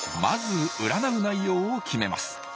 まず占う内容を決めます。